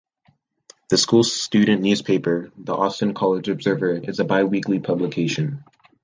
The school's student newspaper, the Austin College "Observer", is a bi-weekly publication.